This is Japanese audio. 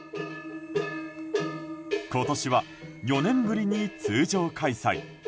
今年は４年ぶりに通常開催。